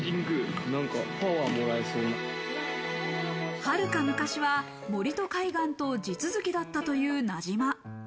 はるか昔は森戸海岸と地続きだったという名島。